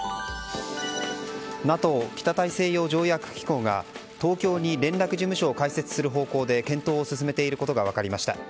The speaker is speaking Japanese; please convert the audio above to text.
ＮＡＴＯ・北大西洋条約機構が東京に連絡事務所を開設する方向で検討を進めていることが分かりました。